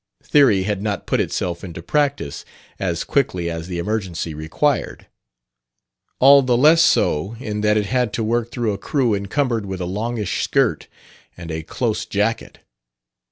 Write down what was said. Theory had not put itself into practice as quickly as the emergency required, all the less so in that it had to work through a crew encumbered with a longish skirt and a close jacket.